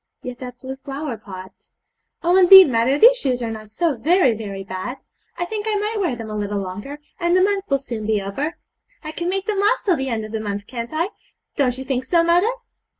Yet, that blue flower pot. Oh, indeed, mother, these shoes are not so very very bad! I think I might wear them a little longer, and the month will soon be over. I can make them last till the end of the month, can't I? Don't you think so, mother?'